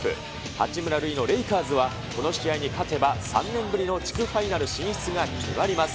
八村塁のレイカーズは、この試合に勝てば３年ぶりの地区ファイナル進出が決まります。